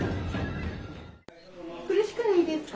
苦しくないですか？